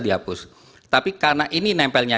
dihapus tapi karena ini nempelnya